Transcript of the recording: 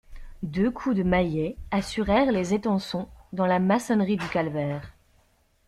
Deux coups de maillets assurèrent les étançons dans la maçonnerie du calvaire.